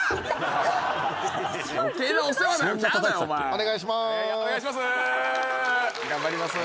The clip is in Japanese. お願いします。